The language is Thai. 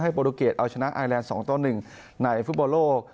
ให้โปรุเกรดเอาชนะไอแลนด์สองต้นหนึ่งในฟุธบอลโลก